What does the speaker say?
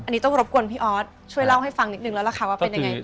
อันนี้ต้องรบกวนพี่ออสช่วยเล่าให้ฟังนิดนึงแล้วล่ะค่ะว่าเป็นยังไง